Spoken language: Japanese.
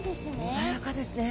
穏やかですね。